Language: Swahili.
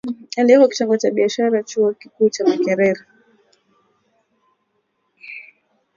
aliyeko Kitengo cha Biashara Chuo Kikuu cha Makerere